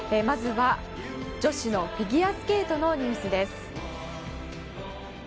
まずは、女子のフィギュアスケートのニュースです。